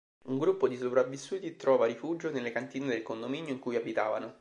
Un gruppo di sopravvissuti trova rifugio nelle cantine del condominio in cui abitavano.